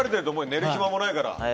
寝る暇もないから。